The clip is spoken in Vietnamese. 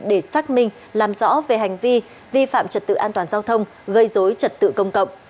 để xác minh làm rõ về hành vi vi phạm trật tự an toàn giao thông gây dối trật tự công cộng